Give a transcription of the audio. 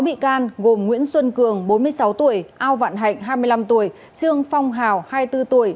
bốn bị can gồm nguyễn xuân cường bốn mươi sáu tuổi ao vạn hạnh hai mươi năm tuổi trương phong hào hai mươi bốn tuổi